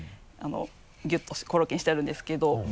ギュッとコロッケにしてあるんですけど。